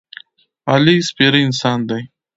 علي سپېره انسان دی.